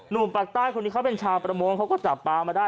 ปากใต้คนนี้เขาเป็นชาวประมงเขาก็จับปลามาได้